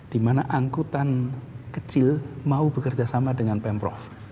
dimana angkutan kecil mau bekerjasama dengan pemprov